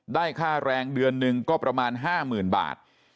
ได้ค่าแรงเดือนหนึ่งก็ประมาณ๕๐๐๐บาท